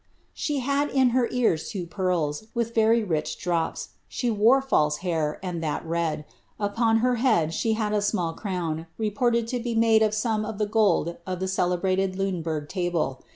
She had in her ears two pearls, with very rich drops ; she wore false hair, and that red ; upon her head she had a small crown, reported to be made of some of the gold of the celebrated Lunebourg table.